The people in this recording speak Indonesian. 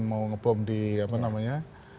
mau ngebom di apa namanya